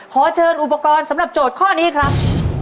ขอเชิญอุปกรณ์สำหรับโจทย์ข้อนี้ครับ